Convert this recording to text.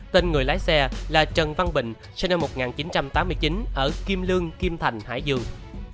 tên người lái xe là trần văn bình sinh năm một nghìn chín trăm tám mươi chín ở kim lương kim thành hải dương